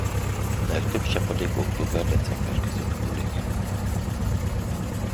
A legtöbb csapadék október-december között hullik.